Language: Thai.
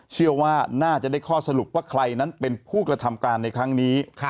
เชื่อว่าน่าจะได้ข้อสรุปว่าใครนั้นเป็นผู้กระทำการในครั้งนี้